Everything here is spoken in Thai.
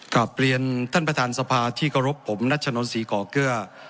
กลับเรียนท่านประธานสภาที่เคารพผมนัชนนศรีก่อเกลือ